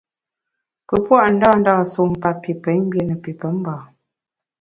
Pe pua’ ndândâ sumpa pi pemgbié ne pi pemba.